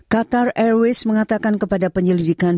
qatar airways mengatakan kepada penyelidikan